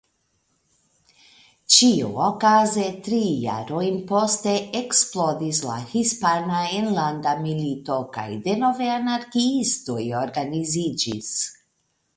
Ĉiuokaze tri jarojn poste eksplodis la Hispana Enlanda Milito kaj denove anarkiistoj organiziĝis.